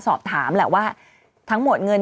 สอบถามแหละว่าทั้งหมดเงิน